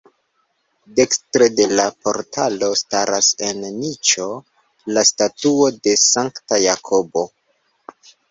Dekstre de la portalo staras en niĉo la statuo de Sankta Jakobo.